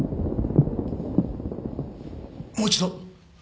もう一度。